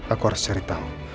aku harus cari tahu